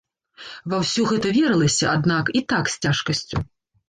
Ва ўсё гэта верылася, аднак, і так з цяжкасцю.